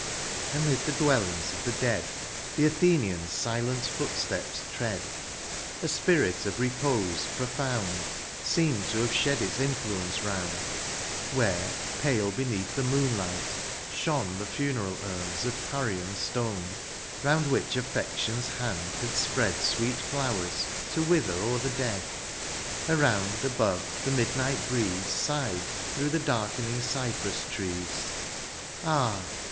Amid the dwellings of the dead The Athenian's silent footsteps ti'ead ; THE ARE0PA6ITE. 31 A spirit of repose profound Seemed to have shed its influence round, Where^ pale beneath the moonlight, shone The funeral urns of Parian stone, Round which affection's hand had spread Sweet flowers, to wither o'er the dead. Around, above, the midnight breeze Sighed through the darkening cypress trees ;— Ah